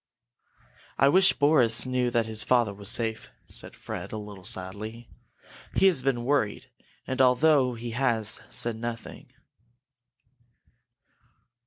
"I wish Boris knew that his father was safe," said Fred, a little sadly. "He has been worried, although he has said nothing."